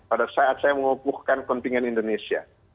pada saat saya mengukuhkan kontingen indonesia